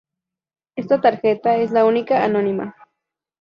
Esta tarjeta es la única anónima.